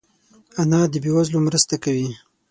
انا د بې وزلو مرسته کوي